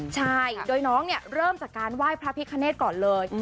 ใช่โดยน้องเนี่ยเริ่มจากการไหว้พระพิคเนธก่อนเลย